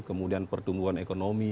kemudian pertumbuhan ekonomi